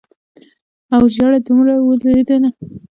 او ژېړه دوړه ولیدل، لومړی یوه تېزه رڼا شول.